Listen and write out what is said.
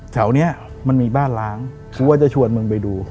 แถวนี้มันมีบ้านล้างกูว่าจะชวนมึงไปดู